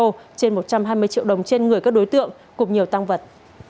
trên một trăm hai mươi triệu đồng trên người các đối tượng cùng nhiều tăng vật